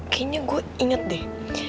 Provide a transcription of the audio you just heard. kayaknya gue inget deh